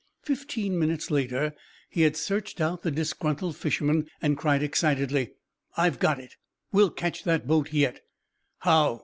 Fifteen minutes later he had searched out the disgruntled fisherman, and cried, excitedly: "I've got it! We'll catch that boat yet!" "How?"